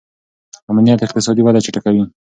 امنیت اقتصادي وده چټکوي.